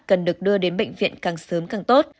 cần được đưa đến bệnh viện càng sớm càng tốt